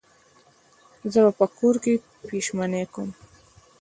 زه به په کور کې پیشمني کوم